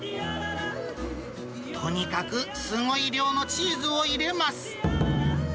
とにかくすごい量の入れます。